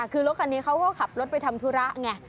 คือรถคันนี้เขาก็ขับรถไปทำธุระไง